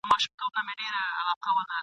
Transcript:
یوه بل ته چي ورکړي مو وه زړونه ..